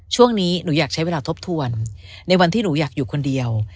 ช่วงนี้หนูอยากใช้เวลาทบทวนในวันที่หนูอยากอยู่คนเดียว